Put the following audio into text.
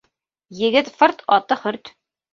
Егет фырт, аты хөрт.